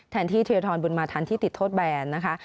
แทนที่ธีรทรบุญมาทันที่ติดโทษแบนนะคะ